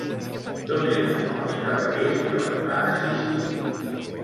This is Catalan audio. D'on eren els cavallers que les van assistir?